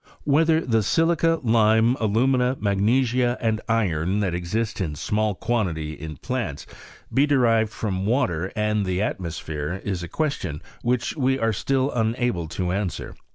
Whether the silica, lime, alumina, magnesia, and iron, that exist in small quantity in plants, be derived from water and the atmosphere, is a question which we are still unable to answer.